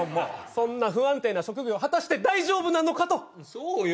そんな不安定な職業果たして大丈夫なのかとそうよ